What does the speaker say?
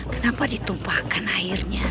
kenapa ditumpahkan airnya